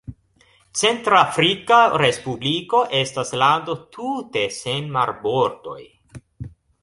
Centr-Afrika Respubliko estas lando tute sen marbordoj.